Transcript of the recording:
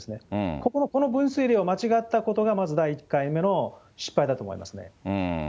ここのこの分水れいを間違ったことがまず第１回目の失敗だと思いますね。